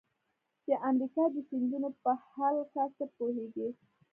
د امریکا د سیندونو په هلکه څه پوهیږئ؟